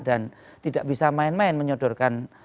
dan tidak bisa main main menyodorkan